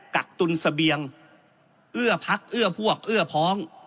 กักตุลเสบียงเอื้อพักเอื้อพวกเอื้อพ้อง